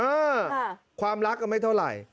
เออความรักก็ไม่เท่าไหร่